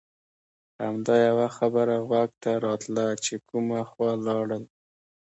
همدا یوه خبره غوږ ته راتله چې کومه خوا لاړل.